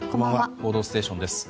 「報道ステーション」です。